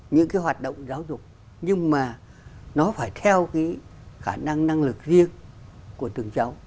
những cái hoạt động giáo dục nhưng mà nó phải theo cái khả năng năng lực riêng của từng cháu